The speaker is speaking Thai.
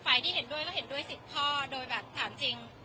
ที่เห็นด้วยก็เห็นด้วย๑๐ข้อโดยแบบถามจริง